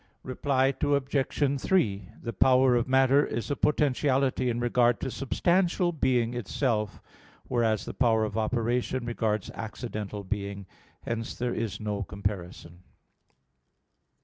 Reply Obj. 3: The power of matter is a potentiality in regard to substantial being itself, whereas the power of operation regards accidental being. Hence there is no comparison.